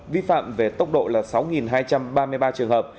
vi phạm về tốc độ là sáu hai trăm ba mươi ba trường hợp